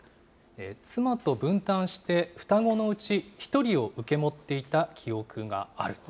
妻と分担して双子のうち１人を受け持っていた記憶がある。